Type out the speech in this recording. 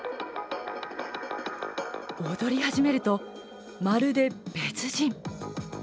踊り始めると、まるで別人。